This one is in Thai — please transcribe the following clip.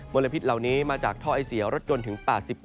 ลพิษเหล่านี้มาจากท่อไอเสียรถยนต์ถึง๘๐